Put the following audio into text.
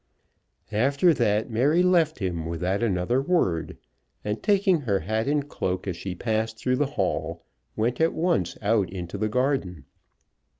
After that Mary left him without another word, and taking her hat and cloak as she passed through the hall went at once out into the garden.